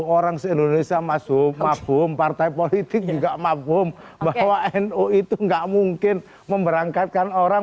orang se indonesia mafhum partai politik juga mafhum bahwa nu itu gak mungkin memberangkatkan orang